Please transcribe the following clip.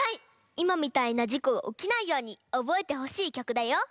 いまみたいなじこがおきないようにおぼえてほしいきょくだよ。